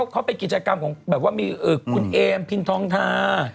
เขาไปกิจกรรมของคุณเอมพินทองทา